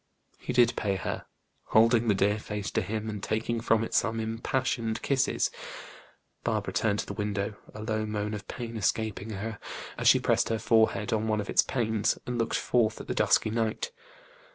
He did pay her: holding the dear face to him, and taking from it some impassioned kisses. Barbara turned to the window, a low moan of pain escaping her, as she pressed her forehead on one of its panes, and looked forth at the dusky night.